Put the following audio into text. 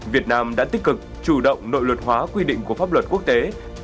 việt nam đã tích cực chủ động nội luật hóa quy định của pháp luật quốc tế